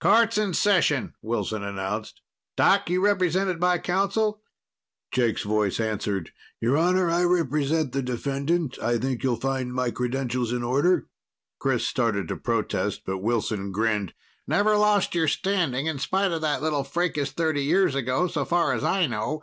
"Court's in session," Wilson announced. "Doc, you represented by counsel?" Jake's voice answered. "Your Honor, I represent the defendant. I think you'll find my credentials in order." Chris started to protest, but Wilson grinned. "Never lost your standing in spite of that little fracas thirty years ago, so far as I know.